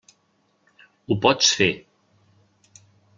Ho pots fer.